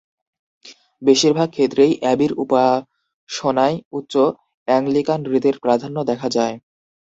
বেশিরভাগ ক্ষেত্রেই অ্যাবির উপাসনায় উচ্চ অ্যাংলিকান রীতির প্রাধান্য দেখা যায়।